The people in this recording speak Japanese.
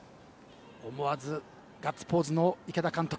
思わずガッツポーズの池田監督。